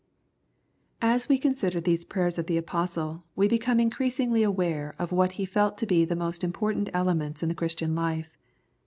As we consider these prayers of the Apostle, we become increasingly aware of what he felt to be the most important elements in the Christian life.